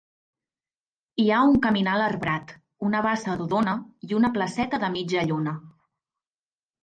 Hi ha un caminal arbrat, una bassa rodona i una placeta de mitja lluna.